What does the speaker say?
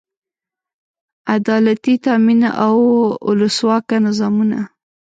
عدالتي تامین او اولسواکه نظامونه.